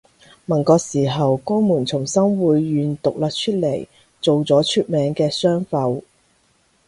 民國時候江門從新會縣獨立出嚟做咗出名嘅商埠